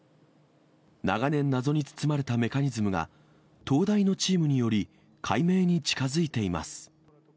長年、謎に包まれたメカニズムが東大のチームにより、解明に近づいています。